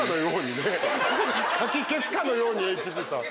かき消すかのようにＨＧさん。